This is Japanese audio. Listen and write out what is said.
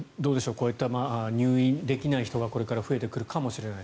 こういう入院できない人がこれから増えてくるかもしれない。